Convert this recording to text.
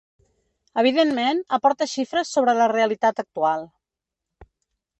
Evidentment, aporta xifres sobre la realitat actual.